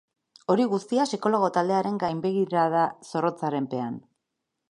Hori guztia psikologo taldearen gainbegirada zorrotzaren pean.